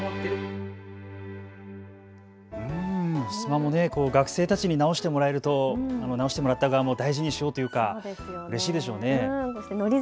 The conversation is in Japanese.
ふすまも、学生たちに直してもらえると直してもらった側も大事にしようというか、うれしいでしょうね。